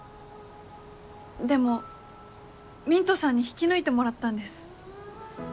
でもミントさんに引き抜いてもらったんです。